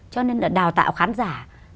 cho nên là đào tạo khán giả